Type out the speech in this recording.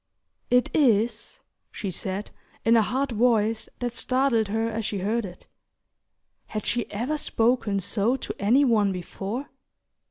"It is," she said, in a hard voice that startled her as she heard it. Had she ever spoken so to any one before?